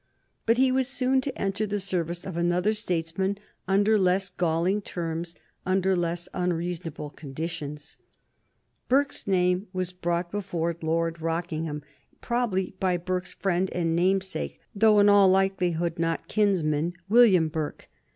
But he was soon to enter the service of another statesman under less galling terms, under less unreasonable conditions. Burke's name was brought before Lord Rockingham, probably by Burke's friend and namesake, though in all likelihood not kinsman, William Burke.